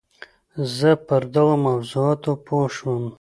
زه پر دغو موضوعاتو پوه شوم.